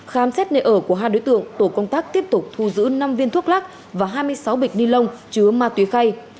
khám xét nơi ở của hai đối tượng tổ công tác tiếp tục thu giữ năm viên thuốc lắc và hai mươi sáu bịch ni lông chứa ma túy khay